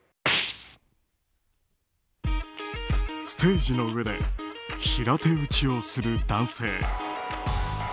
ステージの上で平手打ちをする男性。